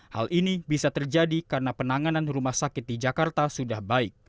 hal ini bisa terjadi karena penanganan rumah sakit di jakarta sudah baik